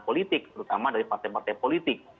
politik terutama dari partai partai politik